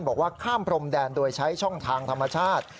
บอกว่าข้ามพรมแดนโดยใช้ช่องทางธรรมชาติ